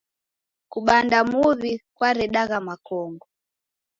Kubanda muw'i kwaredagha makongo.